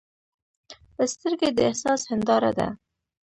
سترګې د احساس هنداره ده